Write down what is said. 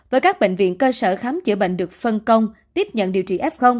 với các bệnh viện cơ sở khám chữa bệnh được phân công tiếp nhận điều trị f